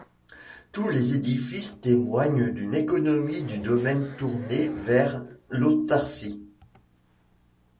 Tous ces édifices témoignent d'une économie du domaine tournée vers l'autarcie.